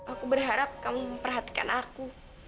aku berharap kamu memperhatikan aku